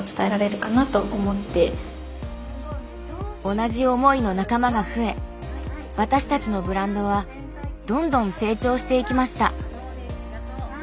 同じ思いの仲間が増え私たちのブランドはどんどん成長していきました。